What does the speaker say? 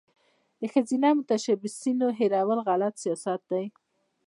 د ښځینه متشبثینو هیرول غلط سیاست دی.